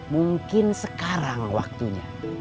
mungkin sekarang waktunya